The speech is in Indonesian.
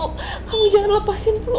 nuclearek cara tolong lepaskan kamu dari